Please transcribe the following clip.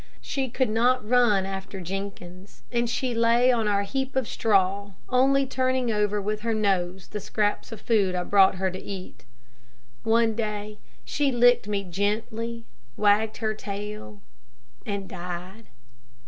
She could not run after Jenkins, and she lay on our heap of straw, only turning over with her nose the scraps of food I brought her to eat. One day she licked me gently, wagged her tail, and died.